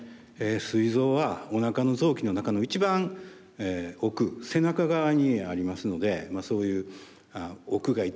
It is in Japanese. すい臓はおなかの臓器の中の一番奥背中側にありますのでそういう奥が痛いとかですね